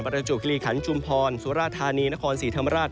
บรรจุกรีขันชุมพรสุรธานีนครศรีธรรมราช